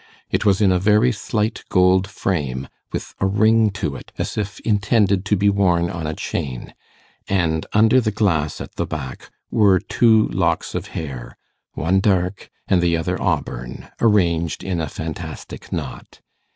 It was in a very slight gold frame, with a ring to it, as if intended to be worn on a chain; and under the glass at the back were two locks of hair, one dark and the other auburn, arranged in a fantastic knot.